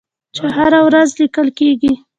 چې هره ورځ لیکل کیږي.